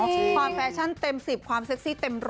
ความแฟชั่นเต็ม๑๐ความเซ็กซี่เต็มร้อย